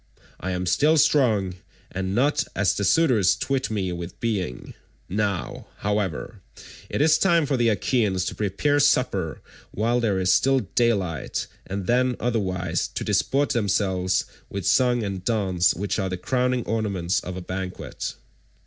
I am still strong, and not as the suitors twit me with being. Now, however, it is time for the Achaeans to prepare supper while there is still daylight, and then otherwise to disport themselves with song and dance which are the crowning ornaments of a banquet."